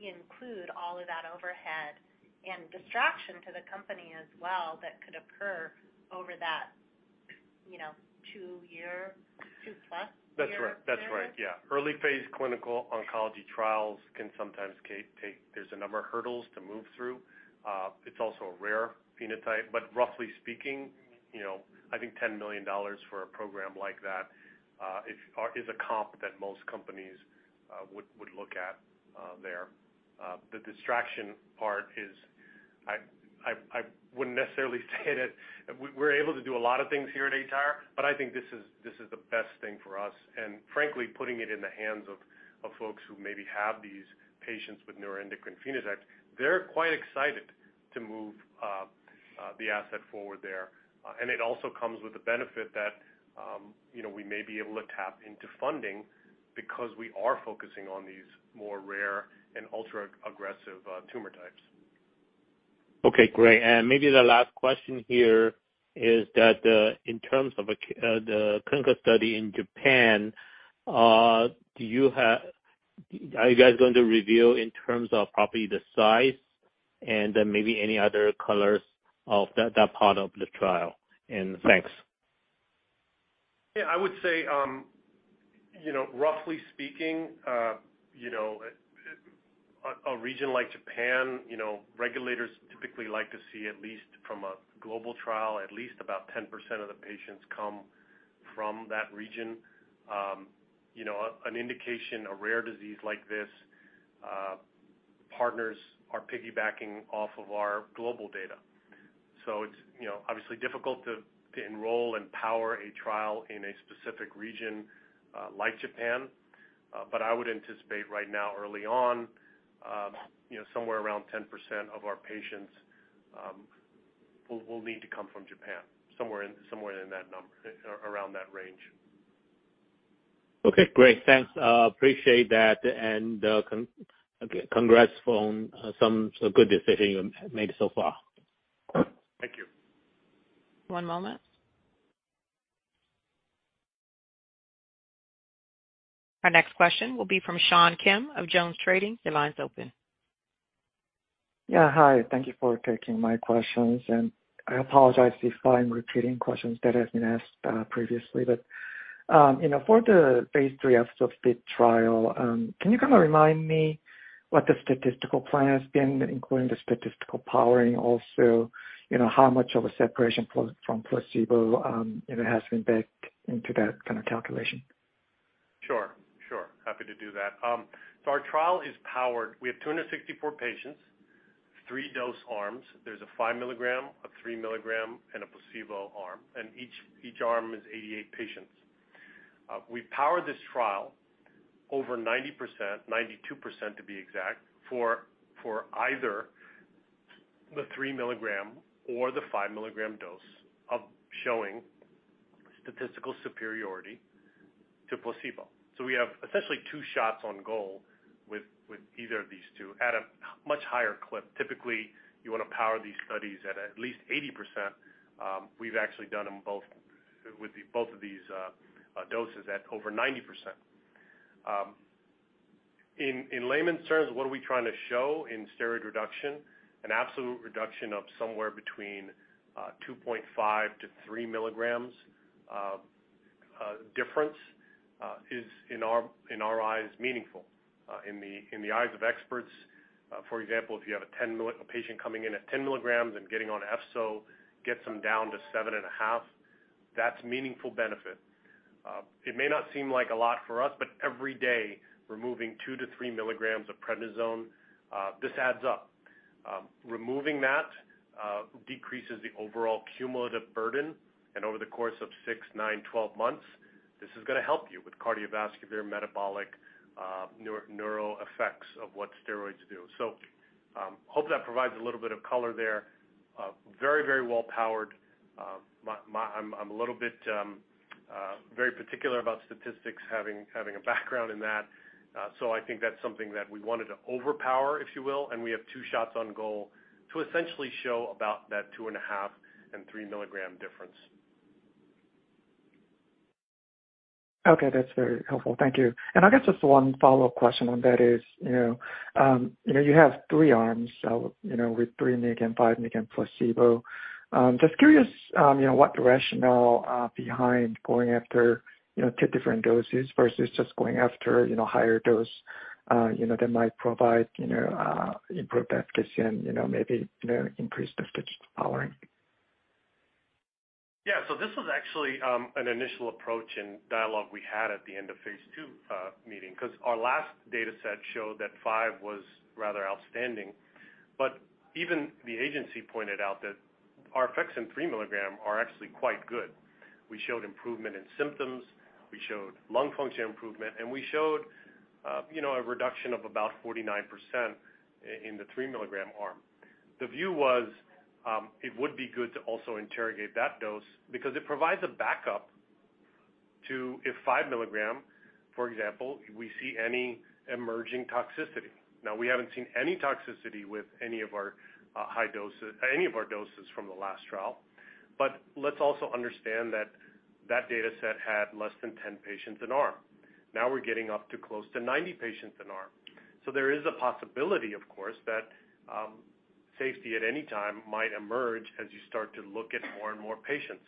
include all of that overhead and distraction to the company as well that could occur over that you know two-year, two-plus-year period. That's right. Yeah. Early phase clinical oncology trials can sometimes take. There's a number of hurdles to move through. It's also a rare phenotype, but roughly speaking, you know, I think $10 million for a program like that, or is a comp that most companies would look at there. The distraction part is I wouldn't necessarily say that we're able to do a lot of things here at aTyr, but I think this is the best thing for us and frankly putting it in the hands of folks who maybe have these patients with neuroendocrine phenotypes, they're quite excited to move the asset forward there. It also comes with the benefit that, you know, we may be able to tap into funding because we are focusing on these more rare and ultra aggressive tumor types. Okay, great. Maybe the last question here is that, in terms of the clinical study in Japan, are you guys going to reveal in terms of probably the size and then maybe any other colors of that part of the trial? Thanks. Yeah, I would say, you know, roughly speaking, you know, a region like Japan, you know, regulators typically like to see at least from a global trial, at least about 10% of the patients come from that region. You know, an indication, a rare disease like this, partners are piggybacking off of our global data. It's, you know, obviously difficult to enroll and power a trial in a specific region, like Japan. I would anticipate right now early on, you know, somewhere around 10% of our patients will need to come from Japan, somewhere around that range. Okay, great. Thanks. Appreciate that. Congrats on some good decision you made so far. Thank you. One moment. Our next question will be from Sean Kim of JonesTrading. Your line's open. Yeah, hi. Thank you for taking my questions, and I apologize if I'm repeating questions that have been asked previously. You know, for the Phase 3 EFZO-FIT trial, can you kind of remind me what the statistical plan has been, including the statistical powering? Also, you know, how much of a separation from placebo has been baked into that kind of calculation? Sure, sure. Happy to do that. Our trial is powered. We have 264 patients, three dose arms. There's a 5 mg, a 3 mg, and a placebo arm, and each arm is 88 patients. We power this trial over 90%, 92% to be exact, for either the 3 mg or the 5 mg dose of showing statistical superiority to placebo. We have essentially two shots on goal with either of these two at a much higher clip. Typically, you wanna power these studies at least 80%. We've actually done them both with both of these doses at over 90%. In layman's terms, what are we trying to show in steroid reduction? An absolute reduction of somewhere between 2.5-3 milligrams difference is in our eyes meaningful. In the eyes of experts, for example, if you have a patient coming in at 10 milligrams and getting on efzo gets them down to 7.5, that's meaningful benefit. It may not seem like a lot for us, but every day removing 2-3 milligrams of prednisone this adds up. Removing that decreases the overall cumulative burden, and over the course of six, nine, 12 months, this is gonna help you with cardiovascular, metabolic, neural effects of what steroids do. Hope that provides a little bit of color there. Very well powered. I'm a little bit very particular about statistics having a background in that. So I think that's something that we wanted to overpower, if you will, and we have two shots on goal to essentially show about that 2.5 and 3 milligram difference. Okay, that's very helpful. Thank you. I guess just one follow-up question on that is, you know, you have three arms with 3 mg, 5 mg, and placebo. Just curious, you know, what the rationale behind going after two different doses versus just going after, you know, higher dose that might provide, you know, improved efficacy and, you know, maybe increase the statistical powering. Yeah. This was actually an initial approach and dialogue we had at the end of Phase 2 meeting, 'cause our last data set showed that five was rather outstanding. Even the agency pointed out that our effects in 3 milligram are actually quite good. We showed improvement in symptoms, we showed lung function improvement, and we showed, you know, a reduction of about 49% in the 3 milligram arm. The view was, it would be good to also interrogate that dose because it provides a backup to if 5 milligram, for example, we see any emerging toxicity. Now, we haven't seen any toxicity with any of our doses from the last trial. Let's also understand that that data set had less than 10 patients per arm. Now we're getting up to close to 90 patients an arm. There is a possibility, of course, that safety at any time might emerge as you start to look at more and more patients.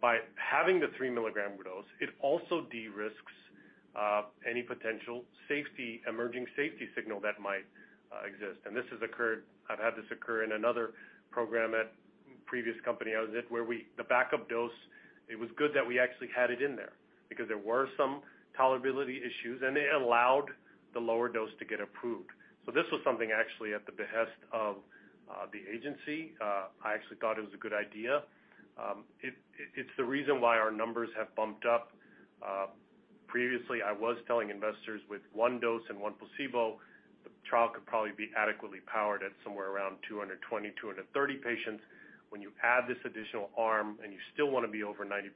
By having the 3 milligram dose, it also de-risks any potential safety, emerging safety signal that might exist. This has occurred. I've had this occur in another program at previous company I was at. The backup dose, it was good that we actually had it in there because there were some tolerability issues, and it allowed the lower dose to get approved. This was something actually at the behest of the agency. I actually thought it was a good idea. It's the reason why our numbers have bumped up. Previously, I was telling investors with one dose and one placebo, the trial could probably be adequately powered at somewhere around 220-230 patients. When you add this additional arm and you still wanna be over 90%,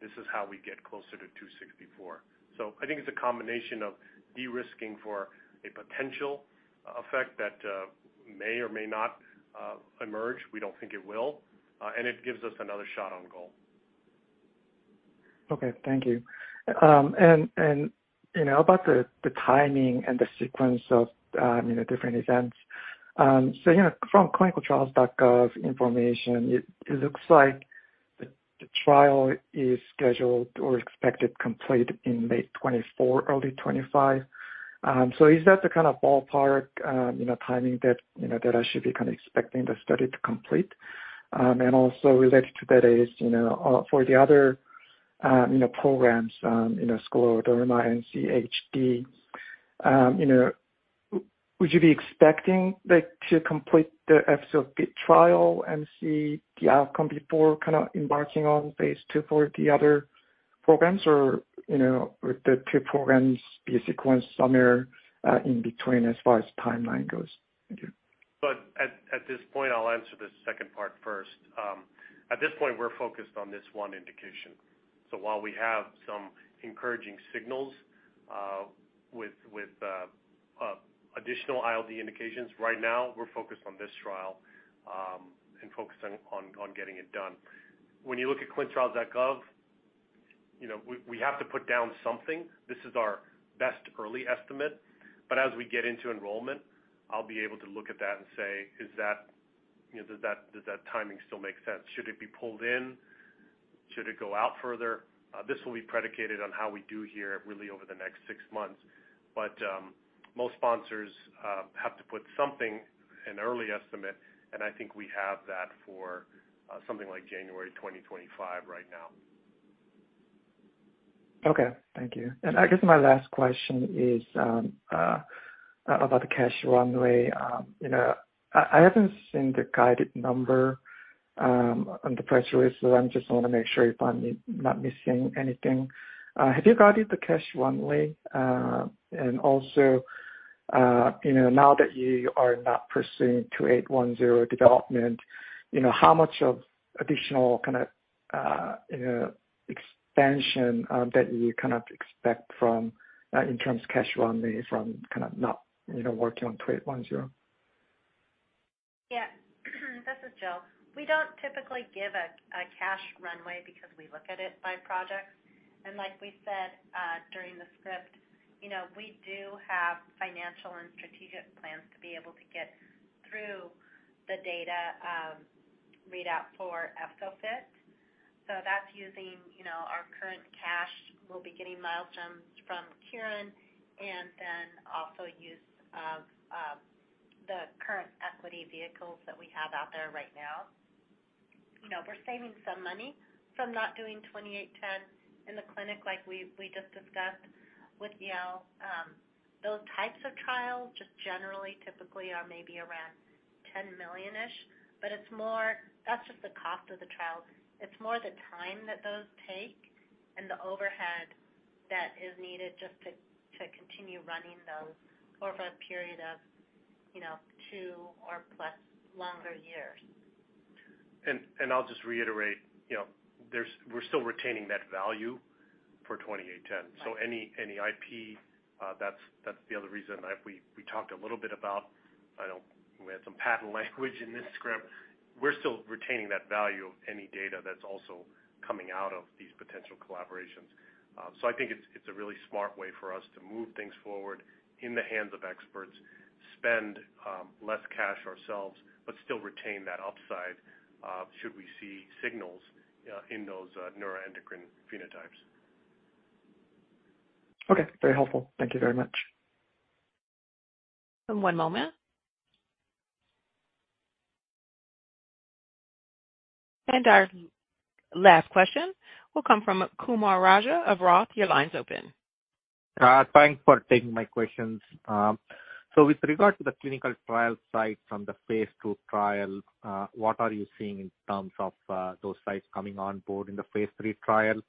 this is how we get closer to 264. I think it's a combination of de-risking for a potential effect that may or may not emerge. We don't think it will. It gives us another shot on goal. Okay. Thank you. You know, about the timing and the sequence of different events. You know, from ClinicalTrials.gov information, it looks like the trial is scheduled or expected complete in late 2024, early 2025. Is that the kind of ballpark you know, timing that you know, that I should be kind of expecting the study to complete? Also related to that is you know, for the other programs, scleroderma and CHP, would you be expecting, like, to complete the EFZO-FIT trial and see the outcome before kind of embarking on Phase 2 for the other programs? Or, you know, would the two programs be sequenced somewhere in between as far as timeline goes? Thank you. At this point, I'll answer the second part first. At this point, we're focused on this one indication. While we have some encouraging signals with additional ILD indications, right now we're focused on this trial and focusing on getting it done. When you look at ClinicalTrials.gov, you know, we have to put down something. This is our best early estimate. As we get into enrollment, I'll be able to look at that and say, is that, you know, does that timing still make sense? Should it be pulled in? Should it go out further? This will be predicated on how we do here really over the next six months. Most sponsors have to put something, an early estimate, and I think we have that for something like January 2025 right now. Okay. Thank you. I guess my last question is about the cash runway. You know, I haven't seen the guided number on the press release, so I just wanna make sure if I'm not missing anything. Have you guided the cash runway? You know, now that you are not pursuing 2810 development, you know, how much of additional kind of expansion that you kind of expect from in terms of cash runway from kind of not working on 2810? Yeah. This is Jill. We don't typically give a cash runway because we look at it by project. Like we said, during the script, you know, we do have financial and strategic plans to be able to get through the data readout for EFZO-FIT. That's using, you know, our current cash. We'll be getting milestones from Kyorin and then also use of the current equity vehicles that we have out there right now. You know, we're saving some money from not doing ATYR2810 in the clinic like we just discussed with Yale. Those types of trials just generally, typically are maybe around $10 million-ish, but it's more. That's just the cost of the trials. It's more the time that those take and the overhead that is needed just to continue running those over a period of, you know, two or plus longer years. I'll just reiterate, you know, we're still retaining that value for ATYR2810. Right. Any IP, that's the other reason we talked a little bit about. We had some patent language in this script. We're still retaining that value of any data that's also coming out of these potential collaborations. I think it's a really smart way for us to move things forward in the hands of experts, spend less cash ourselves, but still retain that upside should we see signals in those neuroendocrine phenotypes. Okay, very helpful. Thank you very much. One moment. Our last question will come from Kumaraguru Raja of ROTH. Your line's open. Thanks for taking my questions. With regard to the clinical trial site from the Phase 2 trial, what are you seeing in terms of those sites coming on board in the Phase 3 trial?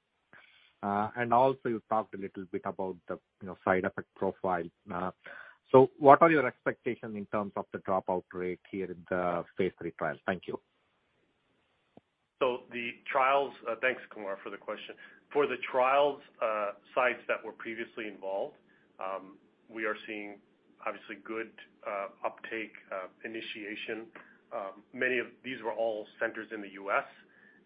And also you talked a little bit about the, you know, side effect profile. What are your expectations in terms of the dropout rate here in the Phase 3 trial? Thank you. The trials, thanks, Kumar, for the question. For the trials, sites that were previously involved, we are seeing obviously good, uptake, initiation. Many of these were all centers in the U.S.,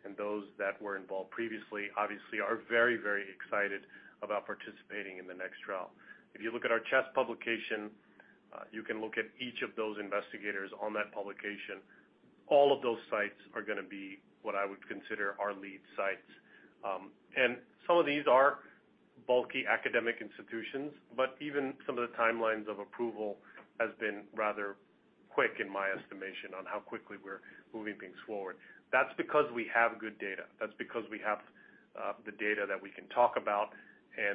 and those that were involved previously obviously are very, very excited about participating in the next trial. If you look at our CHEST publication, you can look at each of those investigators on that publication. All of those sites are gonna be what I would consider our lead sites. And some of these are bulky academic institutions, but even some of the timelines of approval has been rather quick in my estimation on how quickly we're moving things forward. That's because we have good data. That's because we have, the data that we can talk about.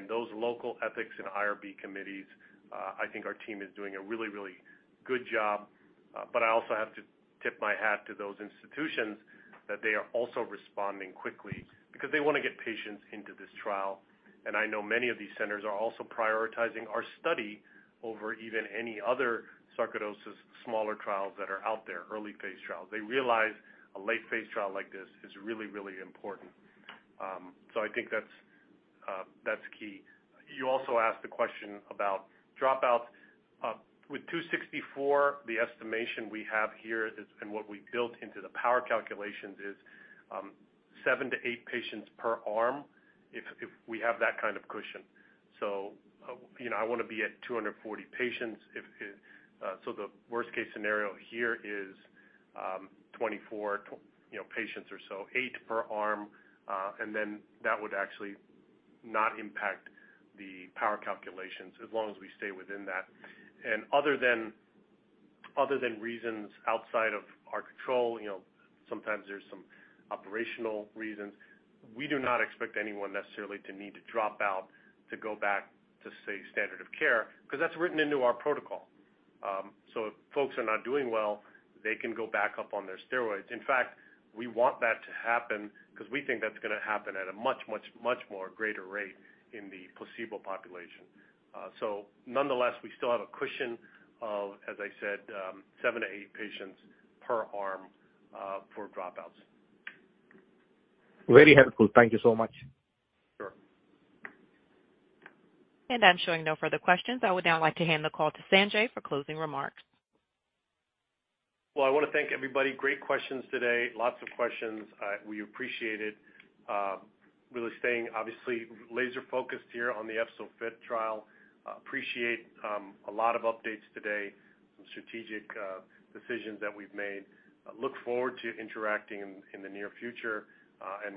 Those local ethics and IRB committees, I think our team is doing a really, really good job. I also have to tip my hat to those institutions that they are also responding quickly because they wanna get patients into this trial. I know many of these centers are also prioritizing our study over even any other sarcoidosis smaller trials that are out there, early phase trials. They realize a late phase trial like this is really, really important. I think that's key. You also asked a question about dropouts. With 264 the estimation we have here is and what we built into the power calculations is, 7-8 patients per arm if we have that kind of cushion. You know, I wanna be at 240 patients if. The worst case scenario here is 24, you know, patients or so, 8 per arm. That would actually not impact the power calculations as long as we stay within that. Other than reasons outside of our control, you know, sometimes there's some operational reasons. We do not expect anyone necessarily to need to drop out to go back to, say, standard of care because that's written into our protocol. If folks are not doing well, they can go back up on their steroids. In fact, we want that to happen because we think that's gonna happen at a much, much, much more greater rate in the placebo population. Nonetheless, we still have a cushion of, as I said, 7-8 patients per arm, for dropouts. Very helpful. Thank you so much. Sure. I'm showing no further questions. I would now like to hand the call to Sanjay for closing remarks. Well, I wanna thank everybody. Great questions today. Lots of questions. We appreciate it. Really staying obviously laser focused here on the EFZO-FIT trial. Appreciate a lot of updates today, some strategic decisions that we've made. Look forward to interacting in the near future.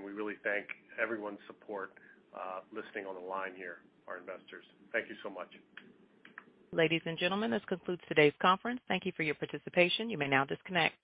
We really thank everyone's support, listening on the line here, our investors. Thank you so much. Ladies and gentlemen, this concludes today's conference. Thank you for your participation. You may now disconnect.